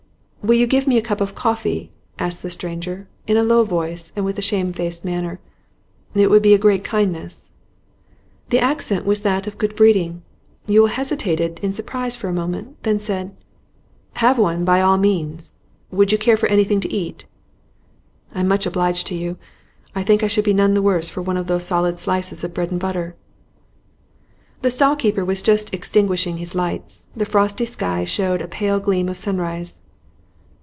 'Will you give me a cup of coffee?' asked the stranger, in a low voice and with shamefaced manner. 'It would be a great kindness.' The accent was that of good breeding. Yule hesitated in surprise for a moment, then said: 'Have one by all means. Would you care for anything to eat?' 'I am much obliged to you. I think I should be none the worse for one of those solid slices of bread and butter.' The stall keeper was just extinguishing his lights; the frosty sky showed a pale gleam of sunrise.